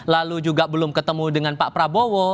lalu juga belum ketemu dengan pak prabowo